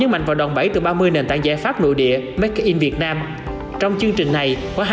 là một đoàn bẫy từ ba mươi nền tảng giải pháp nội địa make in việt nam trong chương trình này có hai trăm linh